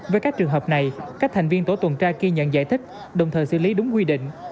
với các trường hợp này các thành viên tổ tuần tra ghi nhận giải thích đồng thời xử lý đúng quy định